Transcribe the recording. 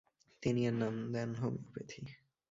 তিনি এর নাম দেন হোমিওপ্যাথি।